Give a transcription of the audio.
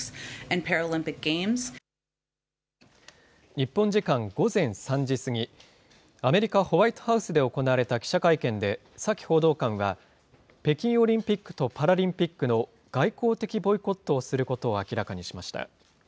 日本時間午前３時過ぎ、アメリカ・ホワイトハウスで行われた記者会見で、サキ報道官は、北京オリンピックとパラリンピックの外交的ボイコットをすることを明らかにしました。